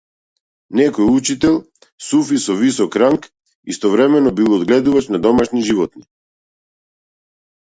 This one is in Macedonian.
Некој учител, суфи со висок ранг, истовремено бил одгледувач на домашни животни.